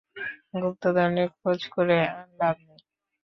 গুপ্তধনের খোঁজ করে আর লাভ নেই।